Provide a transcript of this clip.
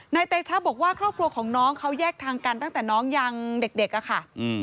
เตชะบอกว่าครอบครัวของน้องเขาแยกทางกันตั้งแต่น้องยังเด็กอะค่ะ